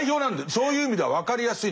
そういう意味では分かりやすいんだよね。